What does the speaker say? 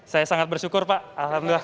saya sangat bersyukur pak alhamdulillah